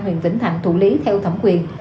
huỳnh vĩnh thạnh thủ lý theo thẩm quyền